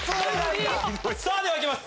さぁではいきます